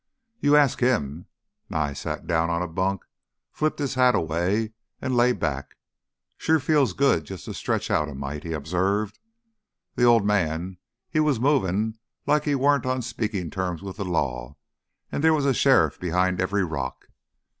"You ask him." Nye sat down on a bunk, flipped his hat away, and lay back. "Sure feels good jus' to stretch out a mite," he observed. "Th' Old Man, he was movin' like he warn't on speakin' terms with th' law an' there was a sheriff behind every rock.